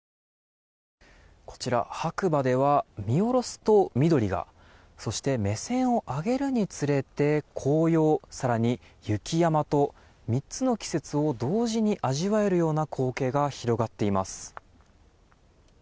白馬では、見下ろすと緑がそして目線を上げるにつれて紅葉更に雪山と、３つの季節を同時に味わえるような光景が広がっています。